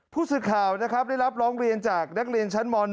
ผู้ศึกข่าวได้รับรองเรียนจากนักเรียนชั้นม๑